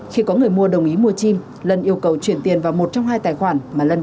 khi có người mua đồng ý mua chim lân yêu cầu chuyển tiền vào một trong hai tài khoản